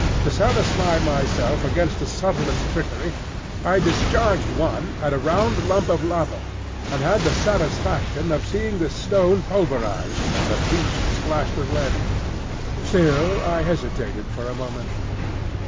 To satisfy myself against the subtlest trickery, I discharged one at a round lump of lava, and had the satisfaction of seeing the stone pulverised and the beach splashed with lead. Still I hesitated for a moment.